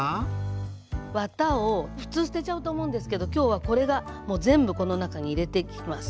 わたをふつう捨てちゃうと思うんですけどきょうはこれが全部この中に入れていきます。